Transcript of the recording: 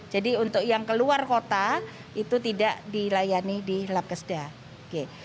jadi untuk yang keluar kota itu tidak dilayani di lap kesedah